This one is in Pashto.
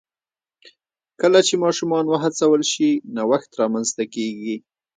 کله چې ماشومان وهڅول شي، نوښت رامنځته کېږي.